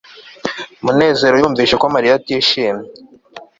munezero yumvise ko mariya atishimye